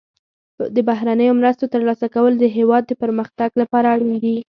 د بهرنیو مرستو ترلاسه کول د هیواد د پرمختګ لپاره اړین دي.